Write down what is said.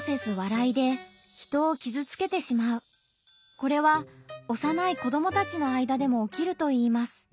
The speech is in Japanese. これは幼い子どもたちの間でもおきるといいます。